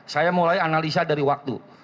saya mulai analisa dari waktu